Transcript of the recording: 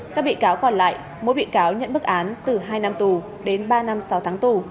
các bị cáo còn lại mỗi bị cáo nhận bức án từ hai năm tù đến ba năm sáu tháng tù